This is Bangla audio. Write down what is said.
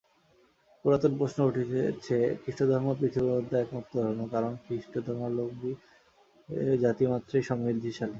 পুরাতন প্রশ্ন উঠিতেছে খ্রীষ্টধর্মই পৃথিবীমধ্যে একমাত্র ধর্ম, কারণ খ্রীষ্টধর্মাবলম্বী জাতিমাত্রেই সমৃদ্ধিশালী।